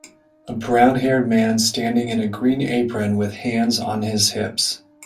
A brownhaired man standing in a green apron with hands on his hips.